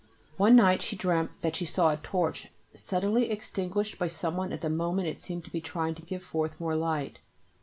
One night she dreamt that she saw a torch suddenly extinguished by someone at the moment it seemed to be trying to give forth more light.